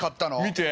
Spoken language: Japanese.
見て。